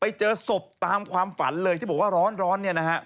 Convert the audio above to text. ไปเจอศพตามความฝันเลยที่บอกว่าร้อนเนี่ยนะฮะ